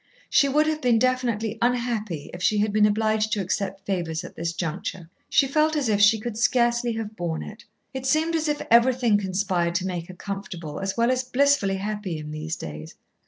She would have been definitely unhappy if she had been obliged to accept favours at this juncture. She felt as if she could scarcely have borne it. It seemed as if everything conspired to make her comfortable as well as blissfully happy in these days.